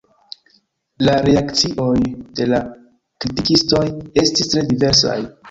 La reakcioj de la kritikistoj estis tre diversaj.